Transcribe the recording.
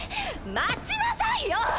待ちなさいよ！